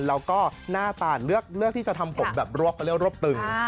แล้วก็หน้าตาเลือกที่จะทำผมแบบรวบตึง